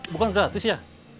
bukan gratis ya